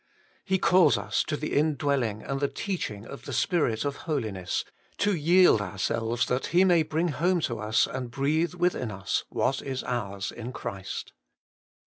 He calls us 16 HOLY IN CHKIST, to the indwelling and the teaching of the Spirit of Holiness, to yield ourselves that He may bring home to us and breathe within us what is ours in Christ.